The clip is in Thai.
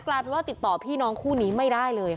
กลายเป็นว่าติดต่อพี่น้องคู่นี้ไม่ได้เลยค่ะ